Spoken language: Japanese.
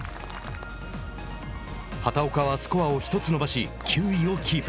畑岡はスコアを１つ伸ばし９位をキープ。